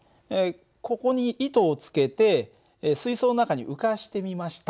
ここに糸をつけて水そうの中に浮かしてみました。